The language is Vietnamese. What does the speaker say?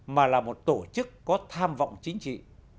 mà là một tổ chức có tham vọng chính trị